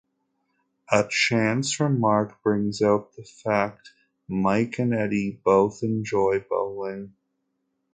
A chance remark brings out the fact Mike and Eddie both enjoy bowling.